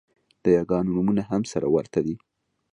د یاګانو نومونه هم سره ورته دي